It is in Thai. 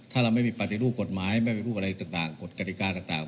ถ้าเราไม่มีปฏิรูปกฎหมายไม่ปฏิรูปอะไรต่างกฎกฎิกาต่าง